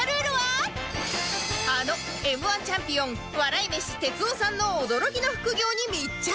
あの Ｍ−１ チャンピオン笑い飯哲夫さんの驚きの副業に密着